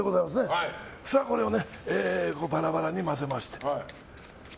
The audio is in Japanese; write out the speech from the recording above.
そしたらこれをバラバラに混ぜまして。